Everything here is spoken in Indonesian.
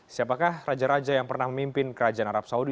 siapakah raja raja yang pernah memimpin kerajaan arab saudi